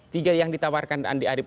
tiga yang ditawarkan andi arief